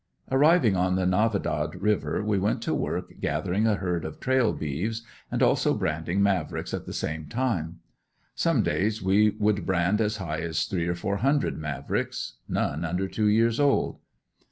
Arriving on the Navadad river, we went to work gathering a herd of "trail" beeves and also branding Mavricks at the same time. Some days we would brand as high as three or four hundred Mavricks none under two years old.